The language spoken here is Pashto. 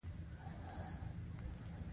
د سرپل غنم ډیر خوندور دي.